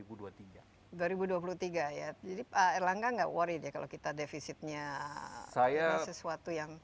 jadi pak erlangga tidak worry kalau kita defisitnya sesuatu yang